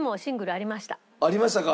ありましたか。